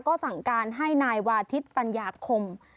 ก็สั่งการให้นายวาทิศปัญญาคม